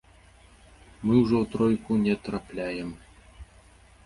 Мы ўжо ў тройку не трапляем.